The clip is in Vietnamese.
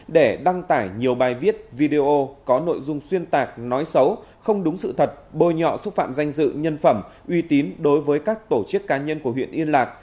để đăng tải nhiều bài viết video có nội dung xuyên tạc nói xấu không đúng sự thật bôi nhọ xúc phạm danh dự nhân phẩm uy tín đối với các tổ chức cá nhân của huyện yên lạc